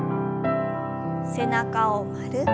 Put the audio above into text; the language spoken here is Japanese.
背中を丸く。